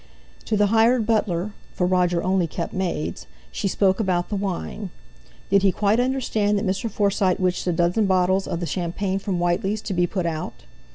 To the hired butler (for Roger only kept maids) she spoke about the wine. Did he quite understand that Mr. Forsyte wished a dozen bottles of the champagne from Whiteley's to be put out?